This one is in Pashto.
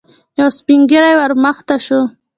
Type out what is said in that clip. يو سپين ږيری ور مخته شو.